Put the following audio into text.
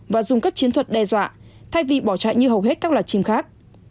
và dùng các chiến thuật đe dọa thay vì bỏ chạy như hầu hết các loài chim khác